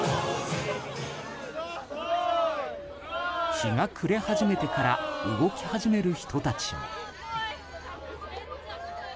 日が暮れ始めてから動き始める人たちも。